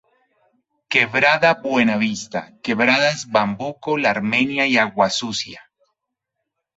Quebrada Buenavista: Quebradas Bambuco, La Armenia y Agua Sucia.